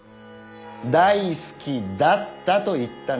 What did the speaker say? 「大好きだった」と言ったな？